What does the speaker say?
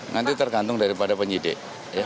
nanti tergantung daripada penyidik